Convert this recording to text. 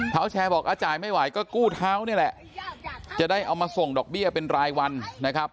เท้าแชร์บอกจ่ายไม่ไหวก็กู้เท้านี่แหละจะได้เอามาส่งดอกเบี้ยเป็นรายวันนะครับ